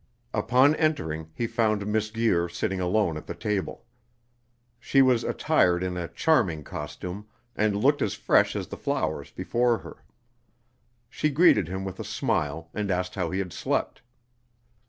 Upon entering, he found Miss Guir sitting alone at the table. She was attired in a charming costume, and looked as fresh as the flowers before her. She greeted him with a smile, and asked how he had slept.